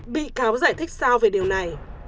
bị cáo giải thích sao về điều này